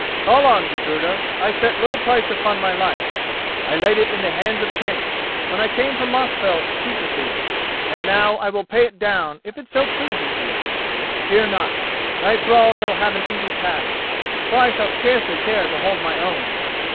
"Call on, Gudruda. I set little price upon my life. I laid it in the hands of chance when I came from Mosfell to speak with thee, and now I will pay it down if so it pleases thee. Fear not, thy thralls shall have an easy task: for I shall scarcely care to hold my own.